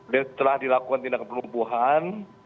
setelah dilakukan tindakan perlumpuhan